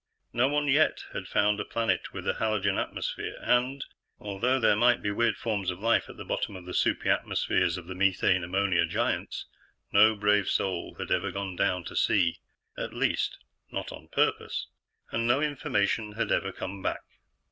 No one yet had found a planet with a halogen atmosphere, and, although there might be weird forms of life at the bottom of the soupy atmospheres of the methane ammonia giants, no brave soul had ever gone down to see at least, not on purpose, and no information had ever come back.